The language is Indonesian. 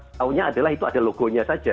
tahunya adalah itu ada logonya saja